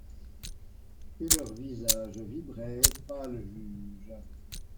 Et leurs visages vibraient, pâles juges.